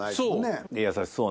そう！